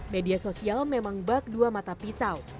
media sosial memang bak dua mata pisau